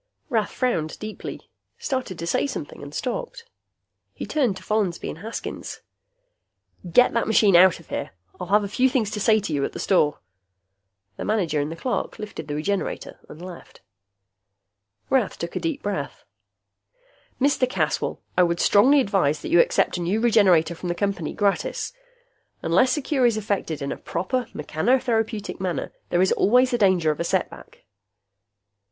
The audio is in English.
Rath frowned deeply, started to say something, and stopped. He turned to Follansby and Haskins. "Get that machine out of here. I'll have a few things to say to you at the store." The manager and the clerk lifted the Regenerator and left. Rath took a deep breath. "Mr. Caswell, I would strongly advise that you accept a new Regenerator from the Company, gratis. Unless a cure is effected in a proper mechanotherapeutic manner, there is always the danger of a setback."